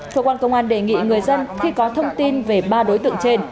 cơ quan công an đề nghị người dân khi có thông tin về ba đối tượng trên